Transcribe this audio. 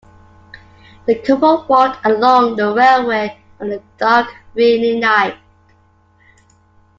The couple walked along the railway on a dark rainy night.